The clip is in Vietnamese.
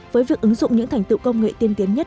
với việc ứng dụng những thành tựu công nghệ tiên tiến nhất